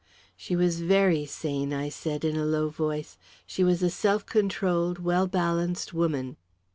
"She was very sane," I said, in a low voice. "She was a self controlled, well balanced woman."